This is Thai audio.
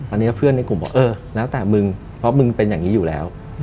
อันนี้เพื่อนในกลุ่มบอกเออแล้วแต่มึงเพราะมึงเป็นอย่างนี้อยู่แล้ว